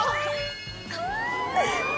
かわいい！